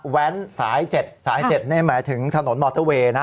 สาย๗สาย๗นี่หมายถึงถนนมอเตอร์เวย์นะ